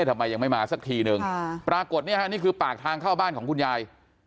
ทำไมยังไม่มาสักทีนึงปรากฏเนี่ยฮะนี่คือปากทางเข้าบ้านของคุณยาย